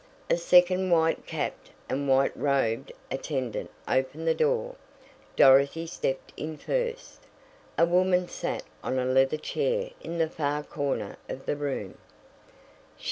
A second white capped and white robed attendant opened the door. Dorothy stepped in first. A woman sat on a leather chair in the far corner of the room.